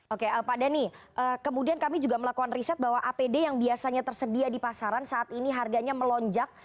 oke pak dhani kemudian kami juga melakukan riset bahwa apd yang biasanya tersedia di pasaran saat ini harganya melonjak